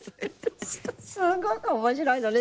すごく面白いのね